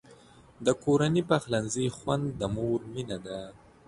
د کورني پخلنځي خوند د مور مینه ده.